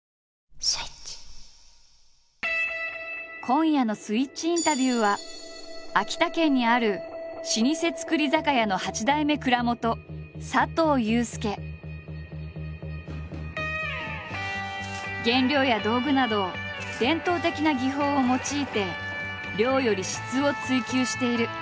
今夜の「スイッチインタビュー」は秋田県にある老舗造り酒屋の８代目原料や道具など伝統的な技法を用いて量より質を追求している。